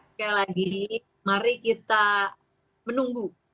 sekali lagi mari kita menunggu